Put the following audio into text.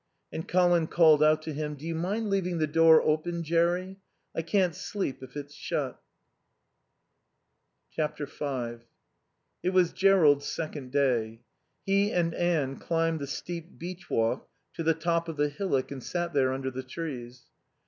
And Colin called out to him, "Do you mind leaving the door open, Jerry? I can't sleep if it's shut." v It was Jerrold's second day. He and Anne climbed the steep beech walk to the top of the hillock and sat there under the trees.